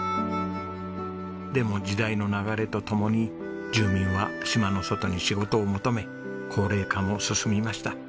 でも時代の流れとともに住民は島の外に仕事を求め高齢化も進みました。